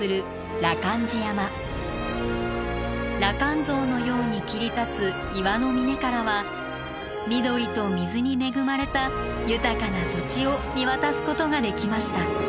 羅漢像のように切り立つ岩の峰からは緑と水に恵まれた豊かな土地を見渡すことができました。